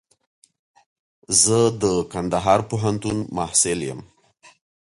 زه د کندهار پوهنتون محصل يم.